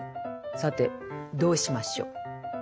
さてどうしましょう。